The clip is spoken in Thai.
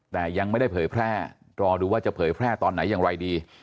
แต่ยังไม่ได้เผยแพร่รอดูว่าจะเผยแพร่ตอนไหนอย่างไรดี